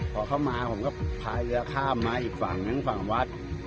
พอเข้ามาผมก็พาเรือข้ามมาอีกฝั่งนึงฝั่งวัด